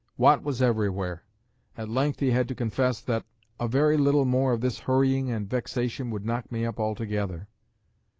Watt was everywhere. At length he had to confess that "a very little more of this hurrying and vexation would knock me up altogether."